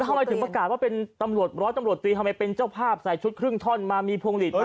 ทำไมถึงประกาศว่าเป็นตำรวจร้อยตำรวจตรีทำไมเป็นเจ้าภาพใส่ชุดครึ่งท่อนมามีพวงหลีดมา